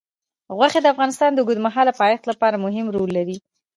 غوښې د افغانستان د اوږدمهاله پایښت لپاره مهم رول لري.